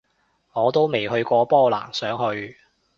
我都未去過波蘭，想去